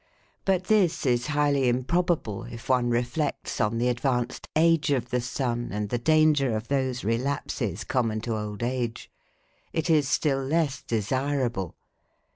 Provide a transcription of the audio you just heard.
But this is highly improbable if one reflects on the advanced age of the sun and the danger of those relapses common to old age. It is still less desirable.